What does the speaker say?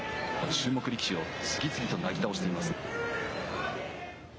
注目力士を次々となぎ倒しています。